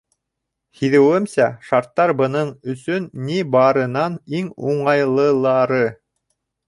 Һиҙеүемсә, шарттар бының өсөн ни барынан иң уңайлылары.